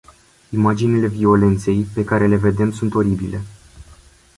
Imaginile violenței pe care le vedem sunt oribile.